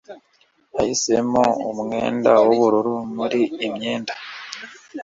Yahisemo umwenda w'ubururu muri imyenda